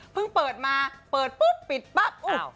เปิดมาเปิดปุ๊บปิดปั๊บอุ๊บ